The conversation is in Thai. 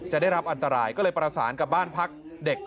ได้รับอันตรายก็เลยประสานกับบ้านพักเด็ก